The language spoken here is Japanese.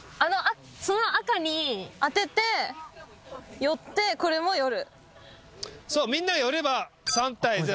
その赤に当てて寄ってこれも寄る。